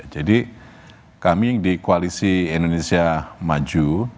jadi kami di koalisi indonesia maju